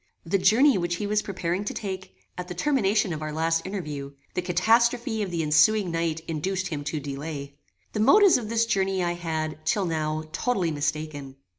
The journey which he was preparing to take, at the termination of our last interview, the catastrophe of the ensuing night induced him to delay. The motives of this journey I had, till now, totally mistaken.